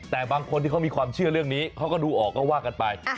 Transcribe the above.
แต่บางคนที่เขามีความเชื่อเรื่องนี้เขาก็ดูออกก็ว่ากันไป